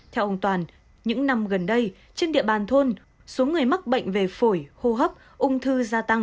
theo ông toàn những năm gần đây trên địa bàn thôn số người mắc bệnh về phổi hô hấp ung thư gia tăng